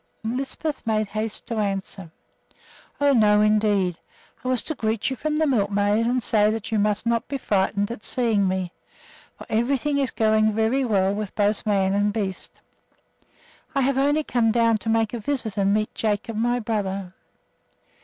Lisbeth made haste to answer: "Oh, no, indeed! I was to greet you from the milkmaid and say that you must not be frightened at seeing me, for everything is going very well with both man and beast. I have only come down to make a visit and meet Jacob, my brother."